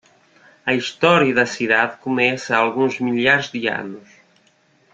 A história da cidade começa há alguns milhares de anos.